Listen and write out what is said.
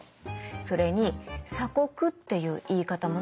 それに「鎖国」っていう言い方もね